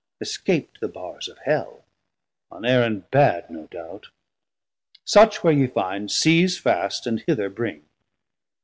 escap'd The barrs of Hell, on errand bad no doubt: Such where ye find, seise fast, and hither bring.